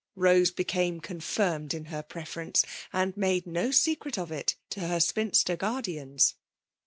Hose became confirmed in her preference, and made no secret of it to her spinster guardians.